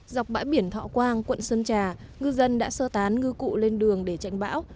dọc bãi biển thọ quang quận sơn trà ngư dân đã sơ tán ngư cụ lên đường để tránh bão